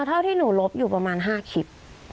เท่าที่หนูลบอยู่ประมาณ๕คลิป